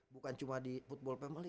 bukan cuma di football family